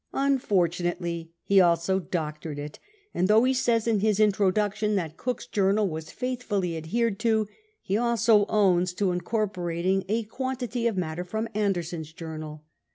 Unfortunately he also doctored it, and though he says in his introduction that Cook's journal was faithfully adhered to, ho also owns to incorporating a quantity of matter fi*om Anderson's journal.